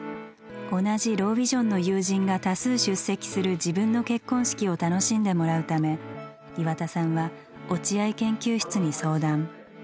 同じロービジョンの友人が多数出席する自分の結婚式を楽しんでもらうため岩田さんは落合研究室に相談。